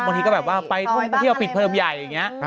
บางทีก็แบบว่าไปท่องเที่ยวปิดเทอมใหญ่อย่างนี้